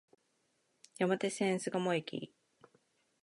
山手線、巣鴨駅